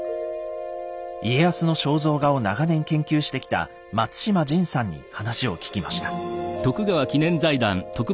家康の肖像画を長年研究してきた松島仁さんに話を聞きました。